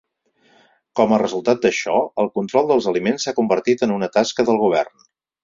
Com a resultat d'això, el control dels aliments s'ha convertit en una tasca del govern.